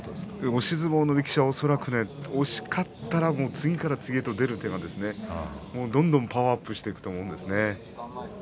押し相撲の力士は恐らく押し勝ったらそれから次へと出る手がどんどんパワーアップしていく人もいます。